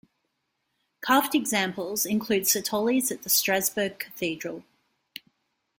Carved examples include citoles at the Strasbourg Cathedral.